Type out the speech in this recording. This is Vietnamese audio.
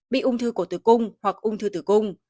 bị ung thư cổ tử cung hoặc ung thư tử cung